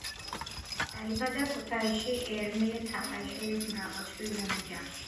დაიბადა ქუთაისში, ერმილე თაყაიშვილის მრავალშვილიან ოჯახში.